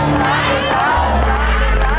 สวัสดีครับสวัสดีครับ